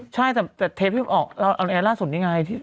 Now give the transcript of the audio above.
ใช่แต่เทปออกเอาราสุดยิ่งไง